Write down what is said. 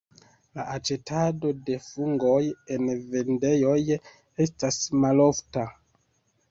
La aĉetado de fungoj en vendejoj estas malofta.